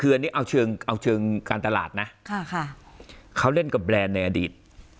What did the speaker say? คืออันนี้เอาเชิงการตลาดนะค่ะค่ะเขาเล่นกับแบรนด์ในอดีต